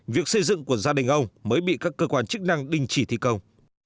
việc xây dựng của gia đình ông mới bị các cơ quan chức năng đình chỉ thi công